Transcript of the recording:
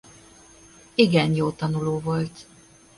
Igen jó tanuló volt.